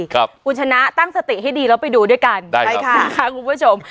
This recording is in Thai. คุณชนะตั้งสติให้ดีแล้วไปดูด้วยกันใช่ค่ะคุณผู้ชม